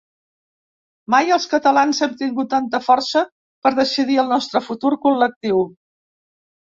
Mai els catalans hem tingut tanta força per decidir el nostre futur col·lectiu.